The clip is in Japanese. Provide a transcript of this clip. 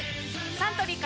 サントリーから